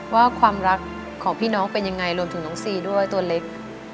ว่าความรักของพี่น้องเป็นยังไงรวมถึงน้องซีด้วยตัวเล็ก